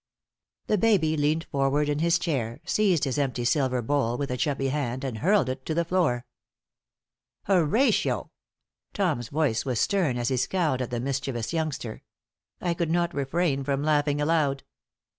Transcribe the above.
The baby leaned forward in his chair, seized his empty silver bowl with a chubby hand, and hurled it to the floor. "Horatio!" Tom's voice was stern as he scowled at the mischievous youngster. I could not refrain from laughing aloud.